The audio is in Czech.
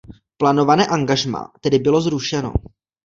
Plánované angažmá tedy bylo zrušeno.